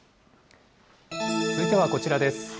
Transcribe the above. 続いてはこちらです。